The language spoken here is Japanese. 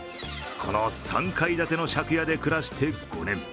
この３階建ての借家で暮らして５年。